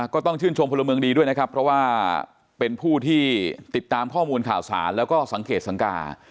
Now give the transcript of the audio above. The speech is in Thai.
ก็ต้องชื่นชมพลเมืองดีด้วยนะครับเพราะว่าเป็นผู้ที่ติดตามข้อมูลข่าวสารแล้วก็สังเกตสังกา